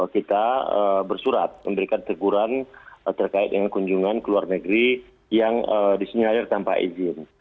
kita bersurat memberikan teguran terkait dengan kunjungan ke luar negeri yang disinyalir tanpa izin